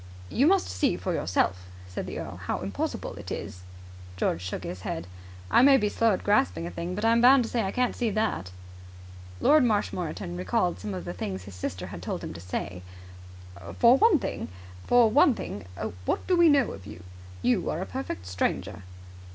"You must see for yourself," said the earl, "how impossible it is." George shook his head. "I may be slow at grasping a thing, but I'm bound to say I can't see that." Lord Marshmoreton recalled some of the things his sister had told him to say. "For one thing, what do we know of you? You are a perfect stranger."